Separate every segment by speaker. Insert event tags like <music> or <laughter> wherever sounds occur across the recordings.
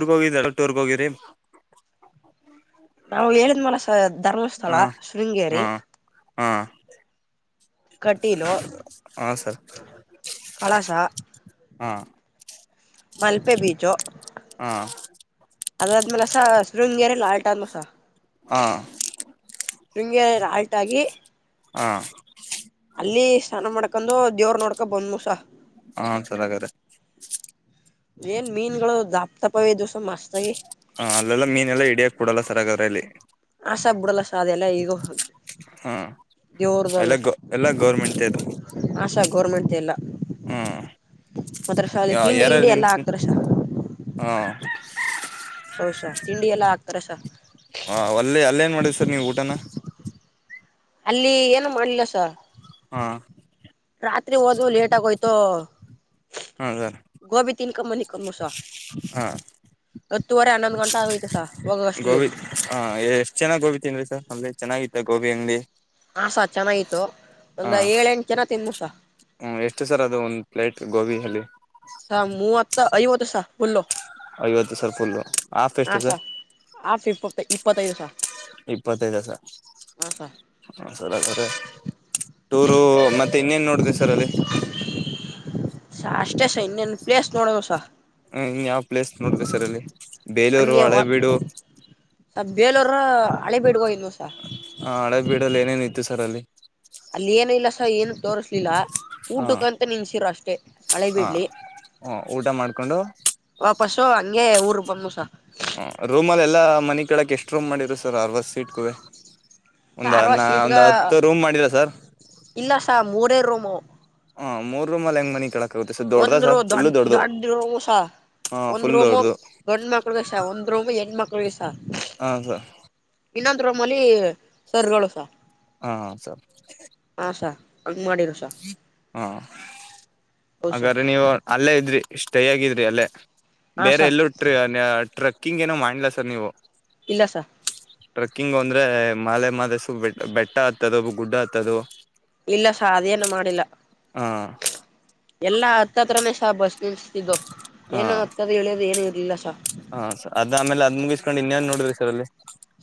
Speaker 1: ಟೂರ್ಗ್ ಹೋಗಿದರ ಟೂರ್ಗ್ ಹೋಗಿರಿ
Speaker 2: ನಾವು ಹೇಳಿದ್ ಮನಸ ಧರ್ಮಸ್ಥಳ ಶೃಂಗೇರಿ
Speaker 1: ಹಾಂ
Speaker 2: ಕಟೀಲು
Speaker 1: ಹಾ ಸರ್
Speaker 2: ಕಳಸ
Speaker 1: ಹಾ
Speaker 2: ಮಲ್ಪೆ ಬೀಚೋ
Speaker 1: ಹಾ
Speaker 2: ಅದಾದ್ಮೇಲಸ ಶೃರುಂಗ್ರೆ ಆಲ್ಟ ಆದ್ಮಸ
Speaker 1: ಹಾಂ
Speaker 2: ಶೃಂಗೇ ಆಲ್ಟಾಗಿ
Speaker 1: ಹಾ
Speaker 2: ಅಲ್ಲಿ ಸ್ನಾನ ಮಾಡ್ಕೊಂಡು ದೇವ್ರ ನೋಡ್ಕ ಬಂದ್ ಮುಸ
Speaker 1: ಹಾ ಚೆನ್ನಾಗ್ರ
Speaker 2: ಏನ್ ಮೀನ್ಗಳು ದಪ್ಪ ತಪ್ಪಾವ ದಿವ್ಸ ಮಸ್ತ್ ಆಗಿ
Speaker 1: ಹ ಅಲ್ಲೆಲ್ಲ ಮೀನೆಲ್ಲಾ ಇಡಿಯಾಕ್ಬಡಲ್ಲ ಸರಗಾದ್ರೆ ಅಲ್ಲಿ
Speaker 2: ಆಸ ಬಿಡಲ್ಲಸ ಅದೆ ಎಲ್ಲ ಈಗೋ ಹ
Speaker 1: ಹಾ ಎಲ್ಲ
Speaker 2: ದೇವ್ರದಲ್ಲ ಸ
Speaker 1: ಗೌ ಎಲ್ಲ ಗೌರ್ಮೆಂಟ್ ಇದು
Speaker 2: ಆಶಾ ಗೌರ್ಮೆಂಟ್ದ್ ಎಲ್ಲ.
Speaker 1: ಹ್ಮ್
Speaker 2: ಮತ್ತಸ ಅಲ್ಲಿ ತಿಂಡಿ ಗಿಂಡಿ ಎಲ್ಲಾ ಹಾಕ್ತಾರಸ.
Speaker 1: ಹ್ಮ್
Speaker 2: ಹೌಸ ತಿಂಡಿ ಎಲ್ಲ ಹಾಕ್ತಾರಸ.
Speaker 1: ಹಾ ಅಲ್ಲೇ ಅಲ್ಲೇ ಏನ್ ಮಾಡಿದ್ ಸರ್ ನೀವು ಊಟನ.
Speaker 2: ಅಲ್ಲಿ ಏನು ಮಾಡ್ಲಿಲ್ಲ ಸರ್.
Speaker 1: ಹಾ
Speaker 2: ರಾತ್ರಿ ಹಓದು ಲೇಟ್ ಆಗೋಯ್ತು.
Speaker 1: ಹಾ ಸರ್
Speaker 2: ಗೋಬಿ ತಿನಕ ಮನಿಕೂ ಮಸು.
Speaker 1: ಹಾ
Speaker 2: ಹತ್ತೂವರೆ ಹನ್ನೊಂದು ಗಂಟೆ ಸರ್ ಆಗೈತೆ ಸ ಹೋಗ ಅಷ್ಟಲಿ.
Speaker 1: ಗೋಬಿ ಹಾ ಎಷ್ಟ್ ಚೆನ್ನಾಗಿ ಗೋಬಿ ತಿನ್ರಿ ಸರ್ ಅಮ್ರೆ ಚೆನ್ನಾಗಿತ್ತ ಗೋಬಿ ಅಂಗಡಿ.
Speaker 2: ಹಸ ಚೆನ್ನಾಗಿತತ್ತು ಒಂದ ಏಳೆಂಟು ಜನ ತಿಂದಮಸ.
Speaker 1: ಹ್ಞೂ ಎಷ್ಟು ಸರ್ ಅದು ಒಂದು ಪ್ಲೇಟ್ ಗೋಬಿ ಅಲ್ಲಿ.
Speaker 2: ಹಾ ಮೂವತ್ತ ಐವತ ಸಾರ್ ಫುಲ್.
Speaker 1: ಐವತ್ತು ಸರ್ ಫುಲ್ಲು ಆಫ್ ಎಷ್ಟು ಇದೆ ಸರ್.
Speaker 2: ಆಫಿಫ ಇಪ್ಪತ್ತೈದು ಸರ್.
Speaker 1: ಇಪ್ಪತ್ತೈದು ಸರ್. ಸರ್ ಸರೆ ಟೂರು ಮತ್ತೆ ಇನ್ನೇನ್ ನೋಡಿದೆ ಸರ್ ಅಲ್ಲಿ.
Speaker 2: ಸ ಅಷ್ಟೇ ಸ ಇನ್ನೇನು ಪ್ಲೇಸ್ ನೋಡೋದು ಸರ್.
Speaker 1: ಹ ಇನ್ ಯಾವ್ ಪ್ಲೇಸ್ ನೋಡಬೇಕ ಸರ್ ಅಲ್ಲಿ ಬೇಲೂರು
Speaker 2: ಹಂಗೆ
Speaker 1: ಹಳೆಬೀಡು.
Speaker 2: ಬೇಲೂರ ಹಳೆಬೀಡು ಗೆ ಹೋಗಿದೆನಿ ಸರ್.
Speaker 1: ಹ ಹಳೆ ಬೀಡಲ್ಲಿ ಏನೇನ ಇತ್ತು ಸರ್ ಅಲ್ಲಿ.
Speaker 2: ಅಲ್ಲಿ ಏನ ಇಲ್ಲ ಸರ್ ಏನು ತೋರ್ರಿಸ್ಲಿಲ್ಲ.
Speaker 1: ಹಾ
Speaker 2: ಊಟಕ್ಕ ಅಂತ ನಿನ್ಸಿರು ಅಷ್ಟೇ
Speaker 1: ಹಾ
Speaker 2: ಹಳೇಬೀಡಲಿ.
Speaker 1: ಹ ಊಟ ಮಾಡ್ಕೊಂಡು
Speaker 2: ವಾಪಸ್ಸು ಹಂಗೆ ಊರ್ ಬಂದವಿ ಸರ್.
Speaker 1: ಹ ರೂಮಲ್ಲಿ ಎಲ್ಲ ಮನೆ ಕಳಕ್ ಎಷ್ಟು ರೂಮ್ ಮಾಡಿದರು ಸರ್ ಅರದಾ ಸೀಟ್ ಕುವೆ.
Speaker 2: ಸಾ
Speaker 1: ಒಂದ
Speaker 2: ಅರವತ್ತು
Speaker 1: ನಾ
Speaker 2: ಸೀಟ್ಗ
Speaker 1: ಒಂದು ಹತ್ತು ರೂಮ್ ಮಾಡಿದ ಸರ್.
Speaker 2: ಇಲ್ಲ ಸರ್ ಮೂರೇ ರೂಮು.
Speaker 1: ಹ್ಮ್ ಮೂರೂ ರೂಮ್ ಅಲೆ ಹೆಂಗ್ ಮಳಿಕಳದು. ಸ ದೊಡ್ಡ್ದ
Speaker 2: ಒಂದ್ ರೂ
Speaker 1: ಸರ್ ಫುಲ್ಲ
Speaker 2: ದೊಡ್
Speaker 1: ದೊಡ್ಡದು
Speaker 2: ದೊಡ್ಡ
Speaker 1: ಹಾ ಫುಲ್ ದೊಡ್ಡದು.
Speaker 2: ಗಂಡ್ ಮಕ್ಳಿಗೆ ಸ ಒಂದ್ ರೂಮ ಹೆಣು ಮಕ್ಳಿಗೆ ಸರ್.
Speaker 1: ಹೌಂ ಸರ್.
Speaker 2: ಇನ್ನೊಂದ ರೋಮ್ಮಲ್ಲಿ ಸರ್ಗಳು ಸರ್.
Speaker 1: ಹಾ ಸರ್
Speaker 2: ಹಾ ಸರ್ ಹಂಗೆ ಮಾಡಿರ ಸರ್.
Speaker 1: ಹಾ
Speaker 2: ಹೌದ್ ಸಾ
Speaker 1: ಹಾಗಾದ್ರೆ ನೀವು. ಅಲ್ಲೇ ಇದ್ರಿ ಸ್ಟೇ ಆಗಿದ್ರಿ ಅಲ್ಲೇ
Speaker 2: ಹಾ
Speaker 1: ಬೇರೆ
Speaker 2: ಸಾ
Speaker 1: ಎಲ್ಲೂ. ಟ್ರಕ್ಕಿಂಗ್ ಏನೋ ಮಾಡ್ಲ ಸರ್ ನೀವು.
Speaker 2: ಇಲ್ಲ ಸರ್.
Speaker 1: ಟ್ರೆಕ್ಕಿಂಗ್ ಅಂದ್ರೆ ಮಾದೇಮಾಲೆಸ ಬೆ ಬೆಟ್ಟ ಹತ್ತದ ಗುಡ್ಡ ಹತ್ತದ್ದು.
Speaker 2: ಇಲ್ಲ ಸರ್ ಅದೇನು ಮಾಡಿಲ್ಲ.
Speaker 1: ಹ
Speaker 2: ಎಲ್ಲಾ ಹತ್ತತ್ರಾನೇ ಸ ಬಸ್ ನಿಲ್ಸ್ತಿದ್ದು ಏನು ಹತ್ತದ ಇಳಿಯದು ಏನು ಇರ್ಲಿಲ್ಲ ಸರ್.
Speaker 1: ಹಾ ಸರ್ ಅದ್ ಆಮೇಲೆ ಅದ್ ಮುಗಿಸ್ಕೊಂಡು ಇನ್ನೇನ್ ನೋಡ್ರಿ ಸರ್ ಅಲ್ಲಿ.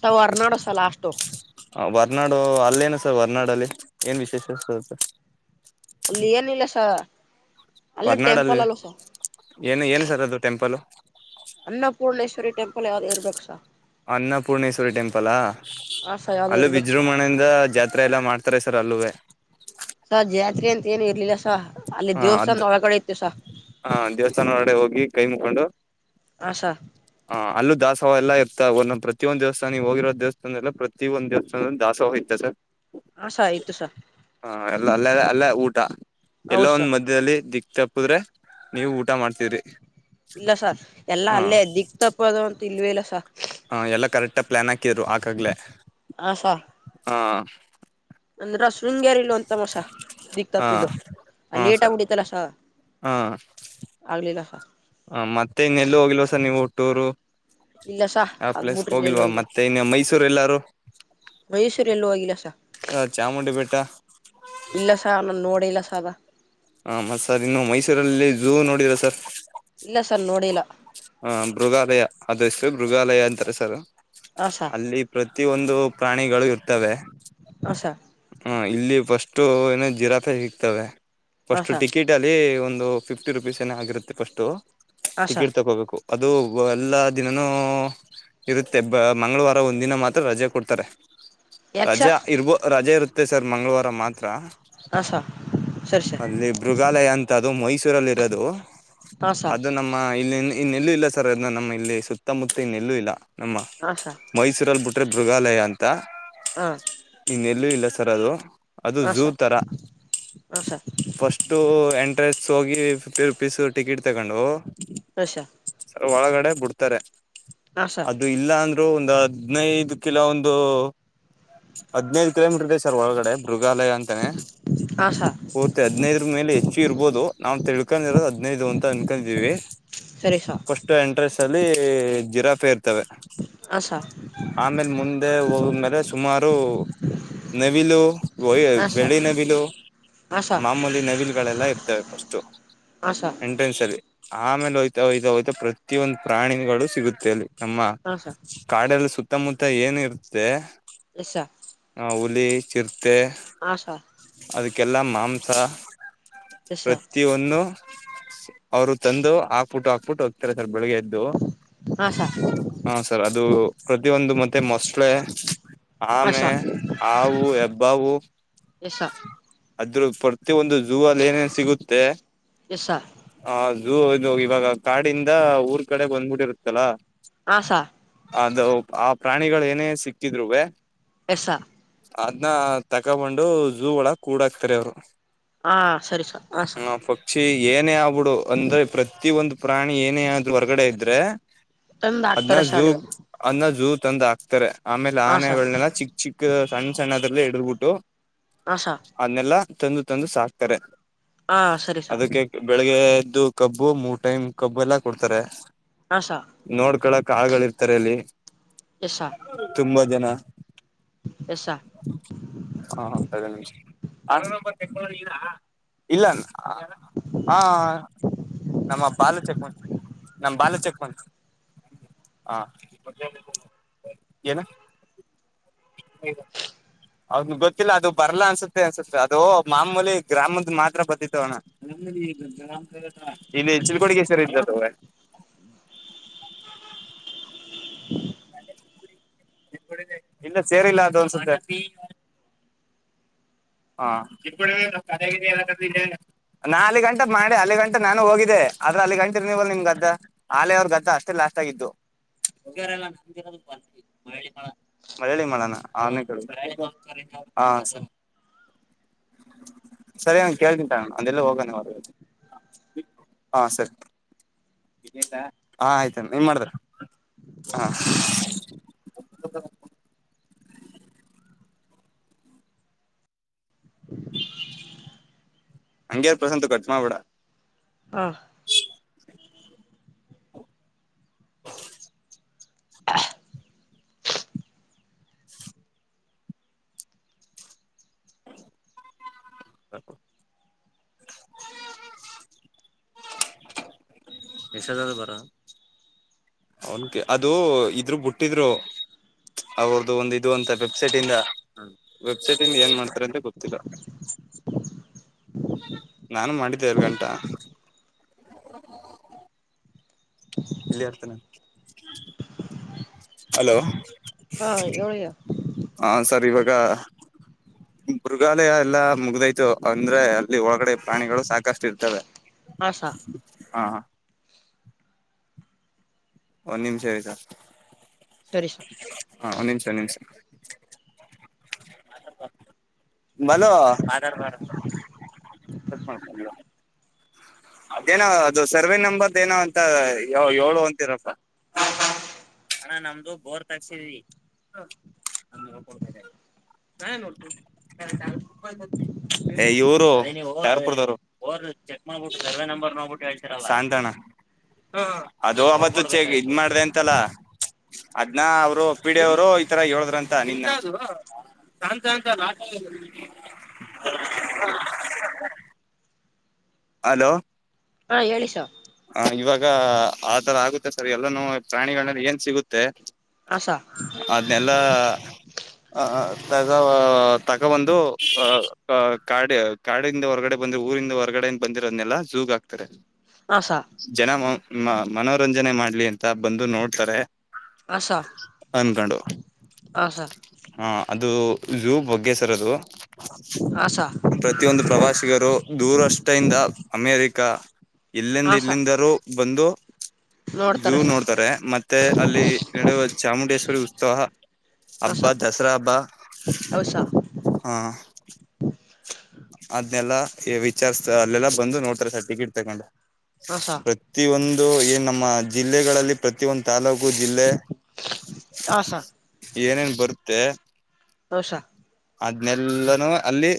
Speaker 2: ಸ ಹೊರ್ನಾಡಸಲ್ಲ ಲಾಸ್ಟ್.
Speaker 1: ವರ್ನಾಡು ಅಲ್ಲೇನು ಸರ್ ವರ್ನಾಡಲ್ಲಿ ಏನ್ ವಿಶೇಷ ಸರ್.
Speaker 2: ಅಲ್ಲಿ ಏನ ಇಲ್ಲ ಸ ಅಲ್ಲಿ
Speaker 1: ಹೊರ್ನಾಡಲ್ಲಿ
Speaker 2: ಟೆಂಪಲ್ ಅಲ್ವಾ ಸ
Speaker 1: ಏನು ಏನು ಸರ್ ಅದು ಟೆಂಪಲ್
Speaker 2: ಅನ್ನಪೂರ್ಣೇಶ್ವರಿ ಟೆಂಪಲ್ ಯಾವ್ದೇ ಇರ್ಬೇಕು ಸ
Speaker 1: ಅನ್ನಪೂರ್ಣೇಶ್ವರಿ ಟೆಂಪಲ್
Speaker 2: ಹಾ ಸಾ ಯಾವ್ದೋ
Speaker 1: ಅಲ್ಲೂ
Speaker 2: ಇರ್ಬೇಕು ಸಾ
Speaker 1: ವಿಜೃಂಭಣೆ ಜಾತ್ರೆ ಎಲ್ಲ ಮಾಡ್ತಾರೆ ಸರ್ ಅಲ್ಲೇ
Speaker 2: ಸ ಜಾತ್ರೆ ಅಂತ ಏನ್ ಇರ್ಲಿಲ್ಲ ಸ ಅಲ್ಲಿ ದೇವ್ಸ ಅಂದ ಒಳಗಡೆ ಇತ್ತು ಸ
Speaker 1: ಹಾ ದೇವಸ್ಥಾನ ಒರಡೆ ಹೋಗಿ ಕೈ ಮುಕೊಂಡು
Speaker 2: ಆಸಾ
Speaker 1: ಹ ಅಲ್ಲ ದಾಸವ ಎತ ಒಂದ ಪ್ರಿಯೊಂದ ದೇವಸ್ಥಾನಿಗೆ ಹೋಗಿರೋ ದೇವಸ್ಥಾನ ಎಲ್ಲ ಪ್ರತಿ ಪ್ರತಿ ಒಂದಂದು ದಿವಸ ದಾಸ ಹೋಗಯ್ತೆ ಸರ್
Speaker 2: ಹಾ ಸ ಆಯ್ತು ಸರ್
Speaker 1: ಹ ಎಲ್ಲ ಅಲ್ಲ ಅಲ್ಲೇ ಊಟ ಎಲ್ಲೋ
Speaker 2: ಹೌದು ಸ
Speaker 1: ಒಂದ್ ಮಧ್ಯದಲ್ಲಿ ದಿಕ್ <unintelligible> ನೀವು ಊಟ ಮಾಡ್ತೀ
Speaker 2: ಇಲ್ಲ ಸ ಎಲ್ಲಾ ಅಲ್ಲೇ ದಿಕ್ ತಪ್ಪ ಅದು ಅಂತ ಇಲ್ವೇ ಇಲ್ಲ ಸ
Speaker 1: ಹ ಎಲ್ಲ ಕರೆಕ್ಟ ಪ್ಲಾನ್ ಹಾಕಿದ್ರು ಆಕಾಗ್ಲೆ
Speaker 2: ಹ ಸ
Speaker 1: ಹಾ
Speaker 2: ಅಂದ್ರ ಶೃಂಗೇರಿ ಇಲ್ ಅಂತ ಮಸ ದಿ
Speaker 1: ಹ
Speaker 2: ತಪ್ಪದು ಅ
Speaker 1: ಹಾ
Speaker 2: ಟ್
Speaker 1: ಸರ್
Speaker 2: ಆಗಡಿತಲ್ಲಸ
Speaker 1: ಹಾ
Speaker 2: ಆಗಲಿಲ್ಲ ಸ
Speaker 1: ಹ ಮತ್ತೆ ಇನ್ನೆಲ್ಲ ಹೋಗಿಲ್ವ ಸರ್ ನೀವು ಹುಟ್ಟೂರು
Speaker 2: ಇಲ್ಲ ಸ
Speaker 1: ಆ ಪ್ಲೇಸ್
Speaker 2: ಅದ್ಬಿಟ್ರಿ ಎಲ್ಲೋ
Speaker 1: ಹೋಗಿಲ್ವಾ
Speaker 2: ಇಲ್ಲ
Speaker 1: ಮತ್ತೆ ಇನ್ ಮೈಸೂರು ಎಲ್ಲಾರು
Speaker 2: ಮೈಸೂರ್ ಎಲ್ಲೋವಾಗಿಗಿಲ್ಲಸ
Speaker 1: ಹ ಚಾಮುಂಡಿ ಬೆಟ್ಟ
Speaker 2: ಇಲ್ಲ ಸ ನನ್ ನೋಡ ಇಲ್ಲ ಸ ಬ
Speaker 1: ಹ ಮತ್ ಸರ್ ಇನ್ನು ಮೈಸೂರಲ್ಲಿ ಝೂ ನೋಡಿದರ ಸರ್
Speaker 2: ಇಲ್ಲ ಸರ್ ನೋಡಿಲ್ಲ
Speaker 1: ಹ ಮೃಗಾಲಯ ಅದುಷ್ಟು ಮೃಗಾಲಯ ಅಂತಾರೆ ಸರ್
Speaker 2: ಆ ಸಾ
Speaker 1: ಅಲ್ಲಿ ಪ್ರತಿ ಒಂದು ಪ್ರಾಣಿಗಳು ಇರ್ತವೆ
Speaker 2: ಆಶಾ
Speaker 1: ಹ ಇಲ್ಲಿ ಫಸ್ಟು ಏನ ಜಿರಪೆ ಸಿಗ್ತವೆ
Speaker 2: ಹಾ
Speaker 1: ಫಸ್ಟ್
Speaker 2: ಸ
Speaker 1: ಟಿಕೆಟ್ ಅಲ್ಲಿ ಒಂದು ಫಿಫ್ಟಿ ರುಪೀಸ್ ಏನ ಆಗಿರುತ್ತೆ ಫಸ್ಟ್
Speaker 2: ಹಾ ಸ
Speaker 1: ಟಿಕೆಟ್ ತಗೋಬೇಕು ಅದು ಎಲ್ಲ ದಿನನೂ ಇರುತ್ತೆ ಬ ಮಂಗಳವಾರ ಒಂದಿನ ಮಾತ್ರ ರಜೆ ಕೊಡ್ತಾರೆ
Speaker 2: ಯಾಕ್ ಸ
Speaker 1: ರಜೆ ಇರ್ಬೋ ರಜೆ ಇರುತ್ತೆ ಸರ್ ಮಂಗಳವಾರ ಮಾತ್ರ
Speaker 2: ಆಸ
Speaker 1: ಅಲ್ಲಿ ಮೃಗಾಲಯ ಅಂತ ಅದು ಮೈಸೂರಲ್ಲಿ ಇರೋದು
Speaker 2: ಹಾ ಸ
Speaker 1: ಅದು ನಮ್ಮ ಇಲ್ಲಿ ಇನ್ನೆಲ್ಲೂ ಇಲ್ಲ ಸರ್ ಅದನ್ನ ನಮ್ಮ ಇಲ್ಲಿ ಸುತ್ತಮುತ್ತ ಇನ್ನೆಲ್ಲೂ ಇಲ್ಲ ನಮ್ಮ
Speaker 2: ಹಾ ಸ
Speaker 1: ಮೈಸೂರಲ್ಲಿ ಬಿಟ್ರೆ ಮೃಗಾಲಯ ಅಂತ
Speaker 2: ಹಾ
Speaker 1: ಇನ್ನೆಲ್ಲೂ ಇಲ್ಲ ಸರ್ ಅದು ಅದು
Speaker 2: ಹಾ
Speaker 1: ಝೂ
Speaker 2: ಸ
Speaker 1: ತರ
Speaker 2: ಹಾ ಸರ್
Speaker 1: ಫಸ್ಟು ಎಂಟ್ರೆನ್ಸ್ ಹೋಗಿ ಫಿಫ್ಟಿ ರುಪೀಸ್ ಟಿಕೆಟ್ ತಗೊಂಡು
Speaker 2: ಅಷಾ
Speaker 1: ಒಳಗಡೆ ಬಿಡ್ತಾರೆ
Speaker 2: ಹಾ ಸ
Speaker 1: ಅದು ಇಲ್ಲ ಅಂದ್ರರು ಒಂದು ಹದ್ ನೈದು ಕಿಲೋ ಒಂದು ಹದ್ ನೈದು ಕಿಲೋಮೀಟರ್ ದ ಸರ್ ಒಳಗಡೆ ಮೃಗಾಲಯ ಅಂತಾನನೆ
Speaker 2: ಆ ಸಾ ಸಾರ್
Speaker 1: ಪೂರ್ತಿ ಹದನೈದರ ಮೇಲೆ ಹೆಚ್ಚು ಇರ್ಬೋದು ನಾವು ತಿಳ್ಕೊಂಡಿರೋದು ಹದನೈದು ಅಂತ ಅನ್ಕೀವಿ.
Speaker 2: ಸರಿಸಾ.
Speaker 1: ಫಸ್ಟ್ ಎಂಟ್ರೆನ್ಸ್ ಅಲ್ಲಿ ಜಿರಾಫೆ ಇರ್ತವೆ.
Speaker 2: ಹಾ ಸಾ.
Speaker 1: ಆಮೇಲೆ ಮುಂದೆ ಹೋಗ್ಮೇಲೆ ಸುಮಾರು. ನವಿಲು ಒ
Speaker 2: ಆಶಾ
Speaker 1: ಬೆಳಿ ನವಿಲು.
Speaker 2: ಆಶಾ
Speaker 1: ಮಾಮೂಲಿ ನವಿಲ್ಗಳೆಲ್ಲ ಇರ್ತವೆ ಫರ್ಸ್ಟ್ಟು.
Speaker 2: ಹಾ ಸಾ.
Speaker 1: ಎಂಟ್ರೆನ್ಸ್ ಅಲ್ಲಿ ಆಮೇಲೆ ಹೋತಾ ಹಯ್ತಾ ಹೋಯ್ತಾ ಪ್ರತಿಯೊಂದು ಪ್ರಾಣಿಗಳು ಸಿಗುತ್ತೆ ಅಲ್ಲಿ. ನಮ್ಮ
Speaker 2: ಆಶಾ
Speaker 1: ಕಾಡಲ್ಲಿ ಸುತ್ತಮುತ್ತ ಏನ ಇರುತ್ತೆ.
Speaker 2: <unintelligible>
Speaker 1: ಹ ಹುಲಿ ಚಿರ್ತೆ.
Speaker 2: ಹಾ ಸಾ.
Speaker 1: ಅದಕ್ಕೆಲ್ಲ ಮಾಂಸ
Speaker 2: ಎಸ
Speaker 1: ಪ್ರ ತಿವನ್ನು ಅವ್ರು ತಂದು ಹಾಕ್ಬಿಟ್ಟು ಹಾಕ್ಬಿಟ್ಟು ಹೋಗ್ತಾರೆ ಸರ್ ಬೆಳಿಗ್ಗೆ ಎದ್ದು.
Speaker 2: ಆಶಾ
Speaker 1: ಹ ಸರ್ ಅದು ಪ್ರತಿಯೊಂದು ಮತ್ತೆ ಮೊಸಳೆ. ಆಮೇ
Speaker 2: ಆಶಾ
Speaker 1: ಹಾವು ಹೆಬ್ಬಾವು.
Speaker 2: ಎಸ.
Speaker 1: ಅದ್ರ ಪ್ರತಿಯೊಂದು ಝೂ ಅಲ್ಲಿ ಏನೇನು ಸಿಗುತ್ತೆ.
Speaker 2: ಎಸ
Speaker 1: ಹದು ಇದು ಇವಾಗ ಕಾಡಿಂದ ಊರ್ ಕಡೆ ಬಂದ್ಬಿಟ್ಟಿರುತ್ತಲ್ಲಾ.
Speaker 2: ಆಸ.
Speaker 1: ಅದು ಆ ಪ್ರಾಣಿಗಳು ಏನೇ ಸಿಕ್ಕಿದ್ರುವೇ.
Speaker 2: ಎಸ್ ಸಾ.
Speaker 1: ಅದನ್ನ ತಕಬೊಂಡು ಝೂ ಒಳ ಕೂಡಾಕ್ತಾರೆ ಅವ್ರು.
Speaker 2: ಹ ಸರಿ ಸರ್ ಹ ಸರ್.
Speaker 1: ಚಿ ಏನೇ ಆಗ್ಬಿಡು ಅಂದ್ರೆ ಪ್ರತಿ ಒಂದು ಪ್ರಾಣಿ ಏನೇ ಆದೂ ಹೊರಗಡೆ ಇದ್ರೆ.
Speaker 2: ತಂದ
Speaker 1: ಅದ್ನ
Speaker 2: ಹಾಕ್ತಾರೆ
Speaker 1: ಝೂ
Speaker 2: ಶಾಲೆಗೆ
Speaker 1: ಅದ್ ಝೂ ತಂದು ಹಾಕ್ತಾರೆ ಆಮೇಲೆ
Speaker 2: ಹಾ ಸ
Speaker 1: ಆನೆಗಳನೆೆಲ್ಲ ಚಿಕ್ ಚಿಕ್. ಸಣ್ಣ ಸಣ್ಣದ್ರಲ್ಲಲ್ಲಿ ಇಡಿದರ್ಬಿಟ್ಟು.
Speaker 2: ಆ ಸಾ.
Speaker 1: ಅದನ್ನೆಲ್ಲ ತಂದು ತಂದು ಸಾಕ್ತಾರೆ
Speaker 2: ಹಾ ಸರಿ ಸ
Speaker 1: ಅದಕ್ಕೆ. ಬೆಳಿಗ್ಗೆ ಎದ್ದು ಕಬ್ಬು ಮೂರು ಟೈಮ್ ಕಬ್ಬು ಎಲ್ಲಾ ಕೊಡ್ತಾರೆ.
Speaker 2: ಹಾ ಸ
Speaker 1: ನೋಡ್ಕಳಕ್ ಆಳಗಳ ಇರ್ತಾರೆ ಅಲ್ಲಿ
Speaker 2: ಎಸ್ ಸ
Speaker 1: ತುಂಬಾ ಜನ.
Speaker 2: Yes sir.
Speaker 1: ಹಾ ಹ ಐದೇ ನಿಮಿಷ. <inaudible> ನಮ್ಮ ಬಾಲ ಚಕ್ಮಂತ್ ನಮ್ಮ್ ಬಾಲ್ ಚಕ್ಮಂತ್. ಹಾ ಏನು. <unintelligible> ಹೌದ ಗೊತ್ತಿಲ್ಲ ಅದು ಬರ್ಲ್ಲ ಅನ್ಸುತ್ತೆ <unintelligible> ಅನ್ಸುತ್ತೆ ಅದು ಮಾಮೂಲಿ ಗ್ರಾಮದ ಮಾತ್ರ ಬರ್ತತ್ತವಣ್ಣ. <unintelligible> ಇಲ್ಲಿ ಚಿಲುಗೋಡಿಗೆ ಹೆಸರ ಇದ್ದ ತವ. ಇಲ್ಲ ಸೇರಿಲ್ಲ ಅದು <unintelligible> ಅನ್ಸುತ್ತೆ. ಹಾ. <unintelligible> ನಾ ಅಲ್ಲಿ ಗಂಟೆ ಮಾಡಿ ಅಲ್ಲಿ ಗಂಟ ನಾನು ಹೋಗಿದ್ದ ಆದ್ರ ಅಲ್ಲಿ ಗಂಟ ಇರ್ನವಲ್ ನಿಮಗದ್ದ. ಆಲೆ ಅವ್ರ ಗದ್ದ ಅಷ್ಟೇ ಲಾಸ್ಟ್ ಆಗತ್ತು. <unintelligible> ಮಳ್ಳಳ್ಳಿ ಮಾಡನ ಹಾ ಹ ಸರಿ. ಸರಿ ನ ಕೇಳಳ್ತಿಂತು ಅಂದೆಲ್ಲ ಹೋಗನೆ ಹೊರ್ ಹಾ ಸರಿ ಹಾ ಆಯ್ತ ನೀನ್ ಮಾಡಿದ್ರ ಹಾ ಅಂಗೇರಾರ್ ಪ್ರಸಂತ ಕಟ್ ಮಾಡ ಬಿಡಾ
Speaker 2: ಹಾ
Speaker 1: <unintelligible> <unintelligible> ನಿಷ ಬರ ಅವನ್ಕ ಅದು ಇದ್ರ ಬಿುಟ್ಟಿದ್ರು ಅವ್ರದ್ದು ಒಂದ ಇದು ಅಂತ ವೆಬ್ಸೈಟ್ ಇಂದ ವೆಬ್ಸೈಟ್ ಇಂದ ಏನ್ ಮಾಡ್ತಾರೆ ಅಂತ ಗೊತ್ತಿಲ್ಲ ನಾನು ಮಾಡಿದ್ದೆ ಎರಡು ಗಂಟಾ ಇಲ್ಲಿ ಅರ್ತನೆ ಹಲೋ
Speaker 2: ಹಾ ಏಳ
Speaker 1: ಹ ಸರ್ ಇವಾಗ ಮೃಗಾಲಯ ಎಲ್ಲಾ ಮುಗ್ದೈ ತು ಅಂದ್ರೆ ಅಲ್ಲಿ ಒಳಗಡೆ ಪ್ರಾಣಿಗಳು ಸಾಕಷ್ಟು ಇರ್ತವೆ
Speaker 2: ಹಾ ಸ
Speaker 1: ಹಾ ಒಂದ್ ನಿಮಿಷ ಆಯ್ತಾ
Speaker 2: ಸರಿ ಸರ್
Speaker 1: ಹಾ ನಿಮಿಷ ನಿಮ್ಷ ಬಲೋಧ ಸತ್ ಮಾಡತ ಅದೇನ ಅದು ಸರ್ವೆ ನಂಬರ್ದ ಏನ ಅಂತ ಯ ಏಳು ಅಂತಿರಪ್ಪ ಅಣ ನಮ್ದು ಬೋರ್ ತಗಸಿದ್ವಿ ಇವರು ರ್ಪುರ್ದವರು ಚೆಕ್ ಮಾಡ್ಬಿು ಸರ್ವೆ ನಂಬರ್ ನೋ್ಬಿಟ್ಟುಳ್ಸರ್ ಅವ ಸಾಂತ್ಣ <inaudible> ಅದು ಆಬ್ದು ಚೆಗ ಇದ್ ಮಾಡ್ರಿ ಅಂತಲ್ಲ ಅದ್ನ ಅವರು ಪೀಡಿಯವರು ಈ ತರ ಹೇಳುದ್ರಂತ ನಿನ್ನ ಹಂತ ಅಂತ ಲಾ ಹಲೋ
Speaker 2: ಹಾ ಹೇಳಿಸ
Speaker 1: ಹ ಇವಾಗ ಆ ತರ ಆಗುತ್ತೆ ಸರ್ ಎಲ್ಲನೂ ಪ್ರಾಣಿಗಳನ್ನ ಏನ್ ಸಿಗುತ್ತೆ
Speaker 2: ಆಸಾ
Speaker 1: ಅದನ್ನೆಲ್ಲ ಆ ತಗ ತಗ ಒಂದು ಅ ಕಾ ಕಾಡಿಂದ ಹೊರಗಡೆ ಬಂದ್ರೆ ಊರಿಂದ ಹೊರ್ಗಡೆ ಏ ಬಂದಿರೋದನ್ನೆಲ್ಲ ಜಝಗ ಆಕ್ತಾರೆ
Speaker 2: ಆಸ
Speaker 1: ಜನ ಮ ಮನೋರಂಜನೆ ಮಾಡ್ಲಿ ಅಂತ ಬಂದು ನೋಡ್ತಾರೆ
Speaker 2: ಹಾ ಸ
Speaker 1: ಅನ್ಕಂಡು
Speaker 2: ಹಾ ಸ
Speaker 1: ಹಾ ಅದು ಜೂ ಬಗ್ಗೆಸರ್ ಅದು
Speaker 2: ಆಸಾ
Speaker 1: ಪ್ರತಿಯೊಂದು ಪ್ರವಾಸಿಗರು ದೂರಷ್ಟಿಂದ ಅಮೇರಿಕ ಇಲ್ಲಿಂದ
Speaker 2: ಹಾ ಸ
Speaker 1: ಇಲ್ಲಿಂದರುೂ ಬಂದು ಝೂ
Speaker 2: ನೋಡ್ತಾರೆ ಸ
Speaker 1: ನೋಡ್ತಾರೆ ಮತ್ತೆ ಅಲ್ಲಿ ನಡುವ ಚಾಮುಂಡೇಶ್ವರಿ ಉತ್ಸವ
Speaker 2: ಹಾ
Speaker 1: ಹಬ್ಬಾ
Speaker 2: ಸ
Speaker 1: ದಸರಾ ಹಬ್ಬ
Speaker 2: ಹೌದ್ ಸ
Speaker 1: ಹಾ ಅದ್ನೆಲ್ಲ ವಿಚಾರ್ಸ್ತ ಅಲ್ಲೆಲ್ಲಾ ಬಂದು ನೋಡ್ತರೆ ಸರ್ ಟಿಕೆಟ್ ತಕೊಂಡು
Speaker 2: <unintelligible>
Speaker 1: ಪ್ರತಿ ಒಂದು ಏನ್ ನಮ್ಮ ಜಿಲ್ಲೆಗಳಲ್ಲಿ ಪ್ರತಿಯೊಂದು ತಾಲೂಕು, ಜಿಲ್ಲೆ
Speaker 2: ಹಾ ಸ
Speaker 1: ಏನೇನ್ ಬರುತ್ತೆ
Speaker 2: ರೋಶಾ <unintelligible>
Speaker 1: ಅದನೆಲ್ಲಾನೂ ಅಲ್ಲಿ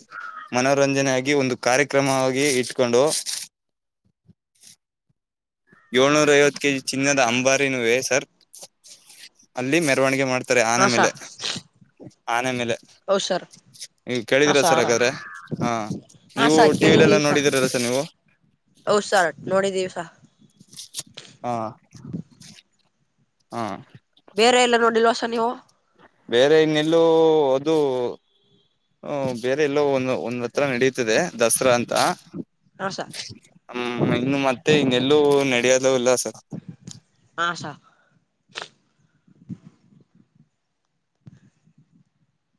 Speaker 1: ಮನೋರಂಜನೆ ಆಗಿ ಒಂದು ಕಾರ್ಯಕ್ರಮವಾಗಿ ಇಸ್ಕಂಡು ಏಳ್ನೂರ ಐವತ್ತು ಕೆಜಿ ಚಿನ್ನದ ಅಂಬಾರಿ ನವೆ ಸರ್ ಅಲ್ಲಿ ಮೆರವಣಿಗೆ ಮಾಡ ಹತ್ತ ಆನೆ
Speaker 2: ಹಾ
Speaker 1: ಮೇಲೆ
Speaker 2: ಸ
Speaker 1: -ಆನೆ ಮೇಲೆ
Speaker 2: ಹೌ ಸರ್ <inaudible>
Speaker 1: ಈ
Speaker 2: ಹಾ
Speaker 1: ಕೇಳಿದಿರ ಸರ್
Speaker 2: ಸ
Speaker 1: ಹಾಗಾದ್ರೆ ಹಾ,
Speaker 2: ಹಾ
Speaker 1: ನೀವು
Speaker 2: ಸ
Speaker 1: ಟಿವಿ
Speaker 2: ಕೇಳಿದೀವಿ ಸ
Speaker 1: ನೈನ್ಲ್ಲಿನೋಡಿದೀರಸರ್ ನೀವು
Speaker 2: ಹೌದ್ ಸರ್ ನೋಡಿದಿವಸ <unintelligible>
Speaker 1: ಹ್ಮ್, ಹ್ಮ್
Speaker 2: ಬೇರೆ ಎಲ್ಲ ನೋಡಿಲ್ವಸರ್ ನೀವು.
Speaker 1: ಬೇರೆ ಇನ್ನೆಲ್ಲೂ ಅದು ಬೇರೆ ಎಲ್ಲೋ ಒಂದು ಒಂದ ಅತ್ರ ನಡೀತದೆ ದಸರಾ ಅಂತ
Speaker 2: ಹಾ ಸ
Speaker 1: ಹ್ಮ್, ಇನ್ನು ಮತ್ತೆ ಹಿಂಗೆಲ್ಲೂ ನಡೆಯಲು ಇಲ್ಲ ಸರ್,
Speaker 2: ಹಾ, ಸರ್